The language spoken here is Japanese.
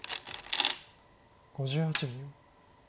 ５８秒。